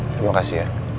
terima kasih ya